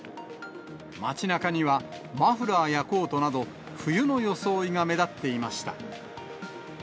街なかには、マフラーやコートなど、冬の装いが目立っていました。